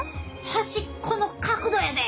端っこの角度やで！